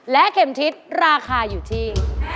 และเข็มทิศราคาอยู่ที่